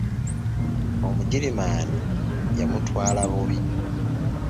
Omugirimaani yamutwala bubi.